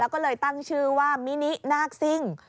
แล้วก็เลยตั้งชื่อว่ามินินาคซิ่ง